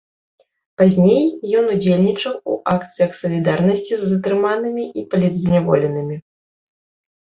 Пазней ён удзельнічаў у акцыях салідарнасці з затрыманымі і палітзняволенымі.